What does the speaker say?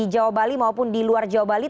di jawa bali maupun di luar jawa bali